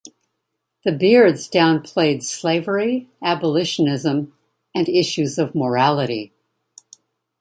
The Beards downplayed slavery, abolitionism, and issues of morality.